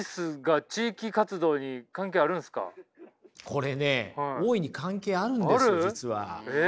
これね大いに関係あるんですよ実は。